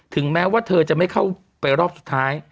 แม้ว่าเธอจะไม่เข้าไปรอบสุดท้าย